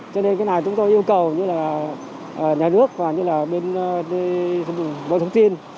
cho nên cái này chúng tôi yêu cầu như là nhà nước và như là bên bộ thông tin